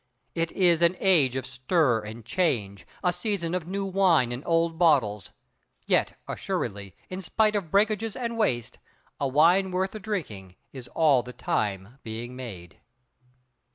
It is an age of stir and change, a season of new wine and old bottles. Yet, assuredly, in spite of breakages and waste, a wine worth the drinking is all the time being made.